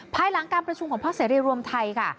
ภายหลังการประชุมของภาคเสรีรวมไทยค่ะ